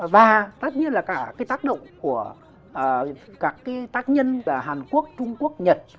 và tất nhiên là cả cái tác động của các tác nhân hàn quốc trung quốc nhật